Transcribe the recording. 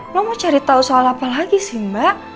lo mau cari tahu soal apa lagi sih mbak